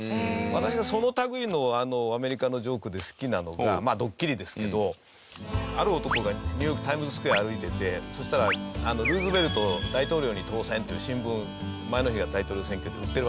私がその類いのアメリカのジョークで好きなのがまあドッキリですけどある男がニューヨークタイムズスクエア歩いててそしたら「ルーズベルト大統領に当選」っていう新聞前の日が大統領選挙で売ってるわけですよ。